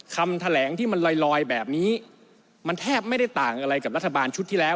คำแถลงที่มันลอยแบบนี้มันแทบไม่ได้ต่างอะไรกับรัฐบาลชุดที่แล้ว